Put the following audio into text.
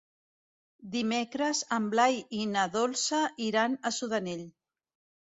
Dimecres en Blai i na Dolça iran a Sudanell.